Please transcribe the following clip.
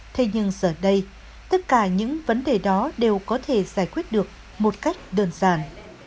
thế nhưng giờ đây tất cả những vấn đề đó đều có thể giải quyết được một cách đơn giản